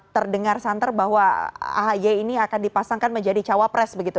terdengar santer bahwa ahi ini akan dipasangkan menjadi cawapres begitu